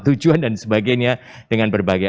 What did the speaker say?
tujuan dan sebagainya dengan berbagai